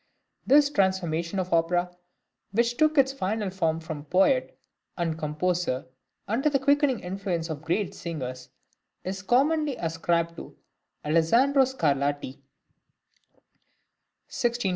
This transformation of the opera, which took its final form from poet and composer under the quickening influence of great singers, is commonly ascribed to Alessandro Scarlatti (1659 1725).